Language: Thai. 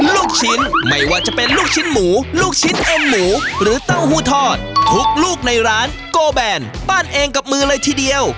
ลูกชิ้นไม่ว่าจะเป็นลูกชิ้นหมูลูกชิ้นเอ็นหมูหรือเต้าหู้ทอดทุกลูกในร้านโกแบนปั้นเองกับมือเลยทีเดียว